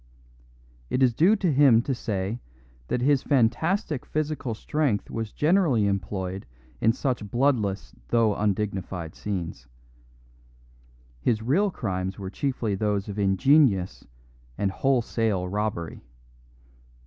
It is due to him to say that his fantastic physical strength was generally employed in such bloodless though undignified scenes; his real crimes were chiefly those of ingenious and wholesale robbery.